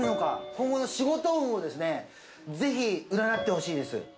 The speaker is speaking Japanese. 今後の仕事運をですね、ぜひ占ってほしいです。